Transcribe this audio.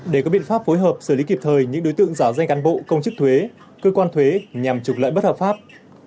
để có biện pháp phối hợp xử lý kịp thời những đối tượng giả danh cán bộ công chức thuế cơ quan thuế nhằm trục lợi bất hợp pháp